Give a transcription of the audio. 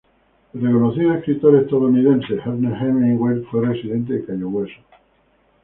El reconocido escritor estadounidense Ernest Hemingway fue residente de Cayo Hueso.